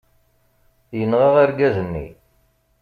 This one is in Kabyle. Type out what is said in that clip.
Yenɣa argaz-nni.